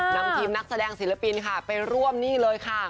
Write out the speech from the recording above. นำทีมนักแสดงศิลปินค่ะไปร่วมนี่เลยค่ะ